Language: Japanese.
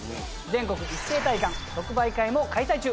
全国一斉体感即売会も開催中。